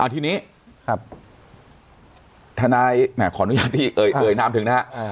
ทีนี้ทนายขออนุญาตที่เอ่ยนามถึงนะฮะ